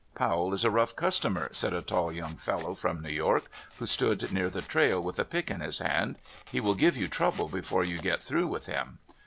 *' Powell is a rough customer," said a tall young fellow from New York, who stood near the trail with a pick in his hand ;" he will give you trouble before you get through with him."